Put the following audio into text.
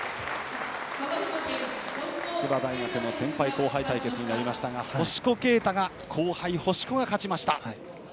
筑波大学の先輩・後輩対決になりましたが後輩・星子が勝ちました。